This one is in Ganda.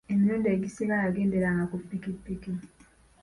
Emirundi egisinga yagenderanga ku pikipiki.